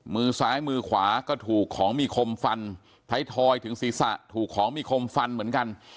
มือซ้ายมือขวาก็ถูกของมีคมฟันไทยทอยถึงศีรษะถูกของมีคมฟันเหมือนกัน